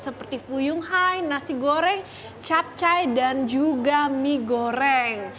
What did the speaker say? seperti fuyung hai nasi goreng capcai dan juga mie goreng